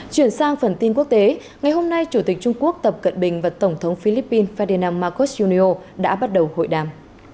chuyển sang phần tin quốc tế ngày hôm nay chủ tịch trung quốc tập cận bình và tổng thống philippines ferdinand marcos jr đã bắt đầu hội đàm